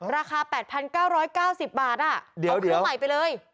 ราคา๘๙๙๐บาทเอาเครื่องใหม่ไปเลย